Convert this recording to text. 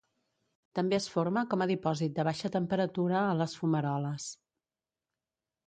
També es forma com a dipòsit de baixa temperatura a les fumaroles.